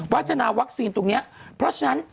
พัฒนาวัคซีนตรงนี้เพราะฉะนั้น